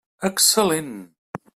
Excel·lent!